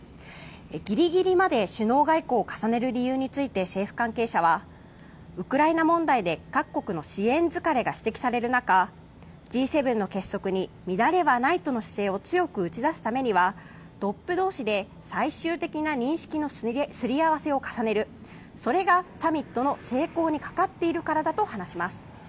ギリギリまで首脳外交を重ねる理由について政府関係者は、ウクライナ問題で各国の支援疲れが指摘される中Ｇ７の結束に乱れはないとの姿勢を強く打ち出すためにはトップ同士で最終的な認識のすり合わせを重ねるそれがサミットの成功にかかっているからだと話します。